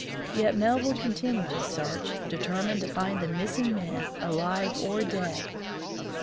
Yet Melville continued his search, determined to find the missing men, alive or dead.